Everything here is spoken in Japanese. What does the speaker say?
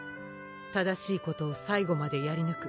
正しいことを最後までやりぬく